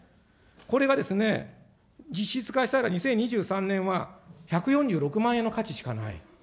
これが実質化したら、２０２３年は１４６万円の価値しかない。